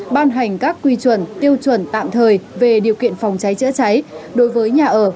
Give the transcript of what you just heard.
ban hành các quy chuẩn tiêu chuẩn tạm thời về điều kiện phòng cháy chữa cháy đối với nhà ở